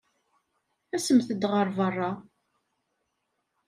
Asemt-d ɣer beṛṛa.